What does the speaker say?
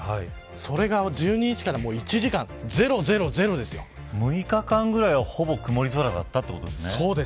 それが１２日から１時間６日間ぐらいはほぼくもり空だったということです。